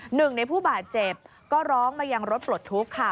หนึ่งในผู้บาดเจ็บก็ร้องมายังรถปลดทุกข์ค่ะ